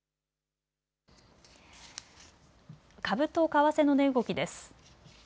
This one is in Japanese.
株と為替の値動きです。